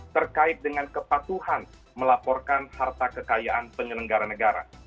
terkait dengan kepatuhan melaporkan harta kekayaan penyelenggara negara